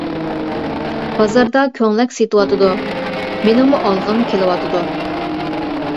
-بازاردا كۆڭلەك سېتىۋاتىدۇ، مېنىڭمۇ ئالغۇم كېلىۋاتىدۇ.